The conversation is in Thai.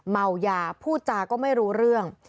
เมายาพูดจาก็ไม่รู้เรื่อง